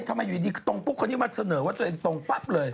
ทำไมอยู่ดีตรงปุ๊บคนนี้มาเสนอว่าตัวเองตรงปั๊บเลย